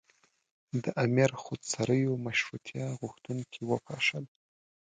د امیر خودسریو مشروطیه غوښتونکي وپاشل.